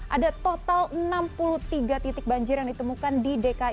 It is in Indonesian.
ada total enam puluh tiga titik banjir yang ditemukan di dki jakarta